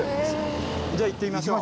じゃあ行ってみましょう。